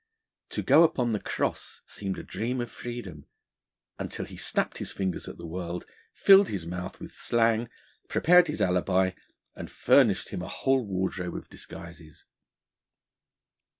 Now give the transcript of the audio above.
To go upon the cross seemed a dream of freedom, until he snapped his fingers at the world, filled his mouth with slang, prepared his alibi, and furnished him a whole wardrobe of disguises.